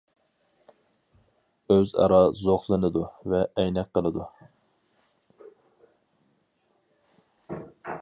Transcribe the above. ئۆز ئارا زوقلىنىدۇ ۋە ئەينەك قىلىدۇ.